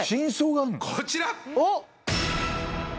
こちら！